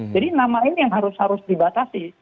nama ini yang harus harus dibatasi